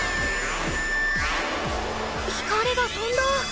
光がとんだ！